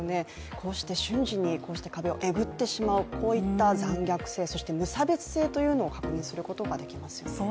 こうした瞬時にこうした壁をえぐってしまうこういった残虐性、無差別性を確認することができますよね。